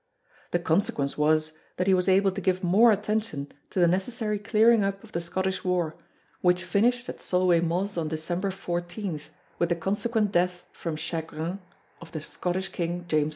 The consequence was that he was able to give more attention to the necessary clearing up of the Scottish war, which finished at Solway Moss on December 14th, with the consequent death from chagrin of the Scottish King James V.